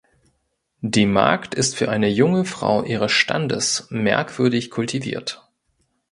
Die Magd ist für eine junge Frau ihres Standes merkwürdig kultiviert.